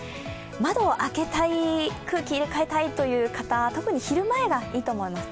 窓を開けたい空気入れ換えたいという方特に昼前がいいと思います。